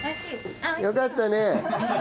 よかったね。